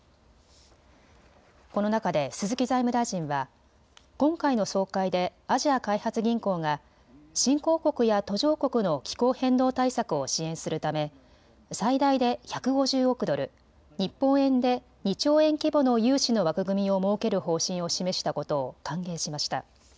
この中で鈴木財務大臣は今回の総会でアジア開発銀行が新興国や途上国の気候変動対策を支援するため最大で１５０億ドル、日本円で２兆円規模の融資の枠組みを設ける方針を示したことを歓迎しました。